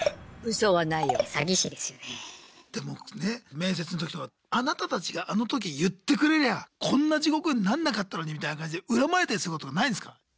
面接の時とかあなたたちがあの時言ってくれりゃこんな地獄になんなかったのにみたいな感じで恨まれたりすることないんですか？